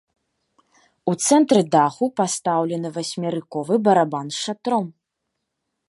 У цэнтры даху пастаўлены васьмерыковы барабан з шатром.